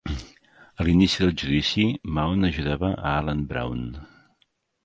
A l'inici del judici Mahon ajudava a Alan Brown.